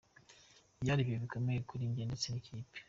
Byari ibihe bikomeye kuri njye ndetse n’ikipe.